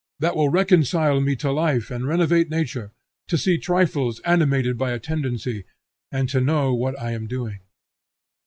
That will reconcile me to life and renovate nature, to see trifles animated by a tendency, and to know what I am doing.